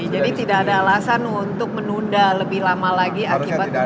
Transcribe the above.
jadi tidak ada alasan untuk menunda lebih lama lagi akibat kekurangan ini